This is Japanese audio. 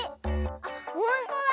あっほんとだ！